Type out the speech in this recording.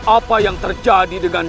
apa yang terjadi denganmu